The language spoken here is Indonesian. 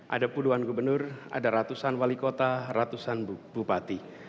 ada puluhan gubernur ada ratusan wali kota ratusan bupati